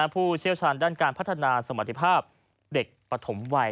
ผู้เชี่ยวชาญด้านการพัฒนาสมรรถภาพเด็กปฐมวัย